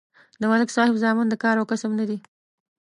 د ملک صاحب زامن د کار او کسب نه دي